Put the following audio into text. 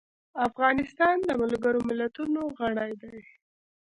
افغانستان د ملګرو ملتونو غړی دی.